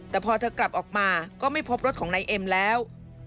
แต่พอเธอกลับออกมาก็ไม่พบรถของนายเอ็มแล้ว